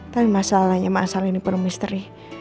tapi masalahnya mas al ini penuh misteri